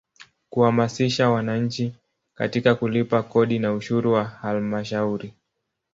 Kuhamasisha wananchi katika kulipa kodi na ushuru wa Halmashauri.